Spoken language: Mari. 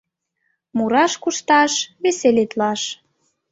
Мураш-кушташ, веселитлаш